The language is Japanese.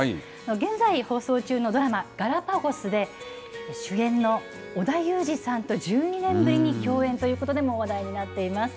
現在、放送中のドラマ、ガラパゴスで、主演の織田裕二さんと１２年ぶりに共演ということでも話題になっています。